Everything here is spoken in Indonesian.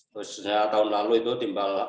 khususnya tahun lalu itu timbal